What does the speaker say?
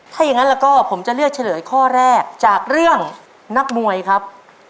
ถ้าอย่างนั้นแล้วก็ผมจะเลือกเฉลยข้อแรกจากเรื่องนักมวยครับ